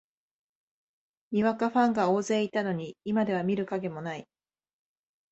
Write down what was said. にわかファンが大勢いたのに、今では見る影もない